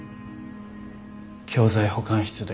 教材保管室で。